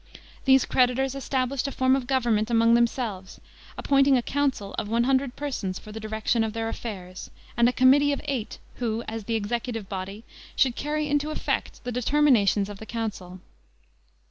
These creditors established a form of government among themselves, appointing a council of one hundred persons for the direction of their affairs, and a committee of eight, who, as the executive body, should carry into effect the determinations of the council.